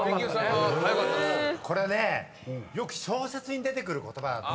これねよく小説に出てくる言葉なの。